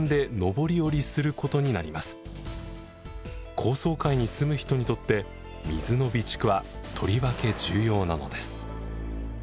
高層階に住む人にとって水の備蓄はとりわけ重要なのです。